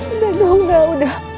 udah udah udah